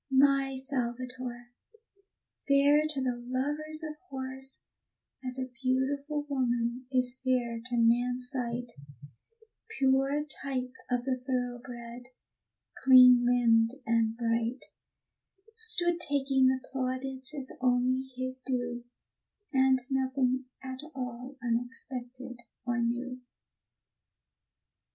My Salvator, fair to the lovers of horse, As a beautiful woman is fair to man's sight Pure type of the thoroughbred, clean limbed and bright, Stood taking the plaudits as only his due, And nothing at all unexpected or new.